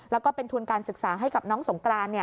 แล้วก็เป็นทุนการศึกษาให้กับน้องสงกราน